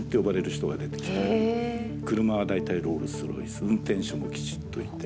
車は大体ロールス・ロイス運転手もきちっといて。